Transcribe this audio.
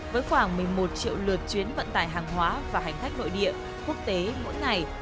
với khoảng một mươi một triệu lượt chuyến vận tải hàng hóa và hành khách nội địa quốc tế mỗi ngày